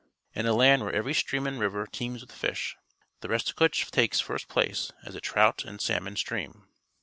In a land where e\ ery stream and river teems with fish, the Restigouche takes first place as a trout and salmon stream.